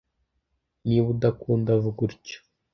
Niba udakunda vuga utyo